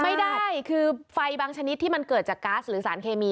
ไม่ได้คือไฟบางชนิดที่มันเกิดจากก๊าซหรือสารเคมี